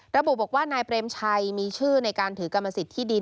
ระบุบอกว่านายเปรมชัยมีชื่อในการถือกรรมสิทธิดิน